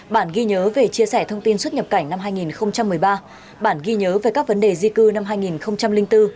bản ghi nhớ về chia sẻ thông tin xuất nhập cảnh năm hai nghìn một mươi ba bản ghi nhớ về các vấn đề di cư năm hai nghìn bốn